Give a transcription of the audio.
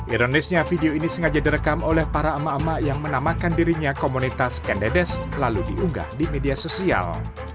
ironisnya video ini sengaja direkam oleh para emak emak yang menamakan dirinya komunitas kendedes lalu diunggah di media sosial